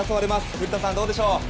古田さん、どうでしょう？